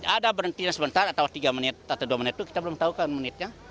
ada berhentinya sebentar atau tiga menit atau dua menit itu kita belum tahu kan menitnya